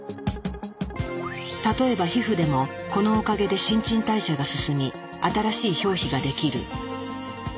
例えば皮膚でもこのおかげで新陳代謝が進み新しい表皮ができる。